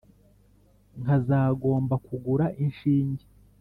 Nkazagomba kugura inshinge,